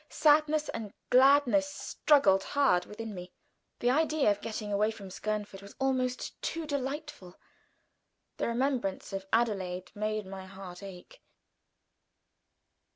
Sadness and gladness struggled hard within me. The idea of getting away from Skernford was almost too delightful; the remembrance of Adelaide made my heart ache.